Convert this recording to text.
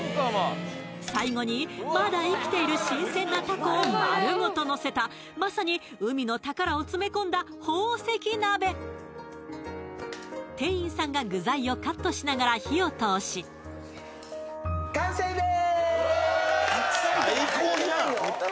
最後にまだ生きている新鮮なタコを丸ごとのせたまさに海の宝を詰め込んだ宝石鍋店員さんが具材をカットしながら火を通し完成です